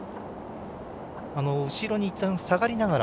後ろにいったん、下がりながら